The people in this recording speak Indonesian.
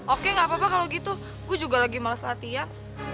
oke gak apa apa kalau gitu gue juga lagi malas latihan